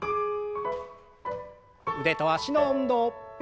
腕と脚の運動。